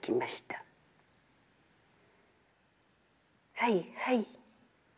『はいはい』